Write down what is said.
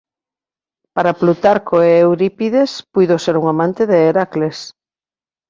Para Plutarco e Eurípides puido ser un amante de Heracles.